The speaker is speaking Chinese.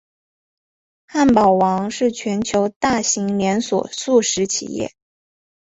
汉堡王是全球大型连锁速食企业。